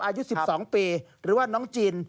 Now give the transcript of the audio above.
อายุ๑๒ปีหรือว่าน้องจีน